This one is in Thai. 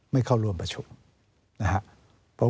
ไม่เข้าร่วมประชุมนะครับ